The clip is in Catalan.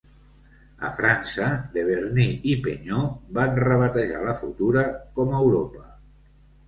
A França, Deberny y Peignot van rebatejar la Futura com "Europa".